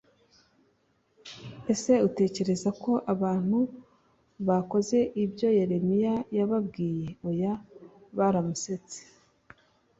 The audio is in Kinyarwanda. ese utekereza ko abantu bakoze ibyo yeremiya yababwiye oya baramusetse